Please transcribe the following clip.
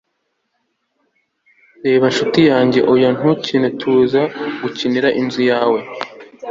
reba inshuti yanjye, oya ntukine tuza gukinira inzu yawe